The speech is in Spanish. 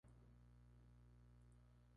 no, no los llevo, pero no hacen falta.